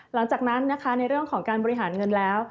หลังจากนั้นนะคะในเรื่องของการบริหารเงินแล้ว